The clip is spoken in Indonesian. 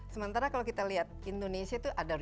sementara kalau kita lihat indonesia itu ada reman